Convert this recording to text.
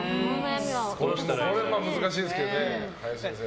これは難しいですけど林先生。